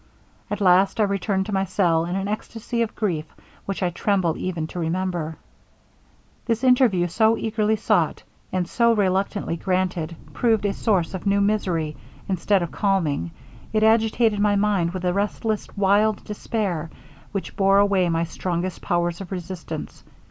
At last I returned to my cell in an ecstasy of grief which I tremble even to remember. 'This interview, so eagerly sought, and so reluctantly granted, proved a source of new misery instead of calming, it agitated my mind with a restless, wild despair, which bore away my strongest powers of resistance.